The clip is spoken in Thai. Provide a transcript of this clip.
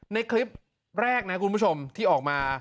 ในคลิปแรกนะคุณผู้ชมที่ออกมา